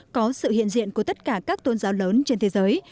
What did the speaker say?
có sự hiện diện của tất cả các tôn giáo lớn trên thế giới